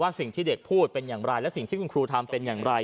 สิ่งที่เด็กพูดเป็นอย่างไรและสิ่งที่คุณครูทำเป็นอย่างไร